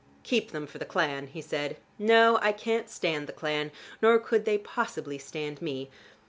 "Keep them for the clan," he said. "No, I can't stand the clan, nor could they possibly stand me.